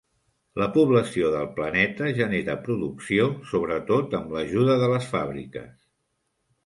La població del planeta genera producció, sobretot amb l'ajuda de les fàbriques.